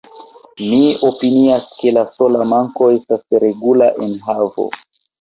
Mi opinias, ke la sola manko estas regula enhavo.